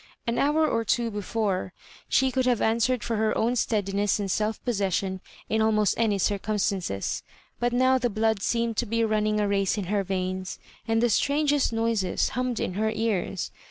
An hour or two be fore, she could have answered for her own steadi* ness and self possession in almost any circumstan ces, but now the blood seemed to be running a race in her veins, and the strangest noises hum med in her ears.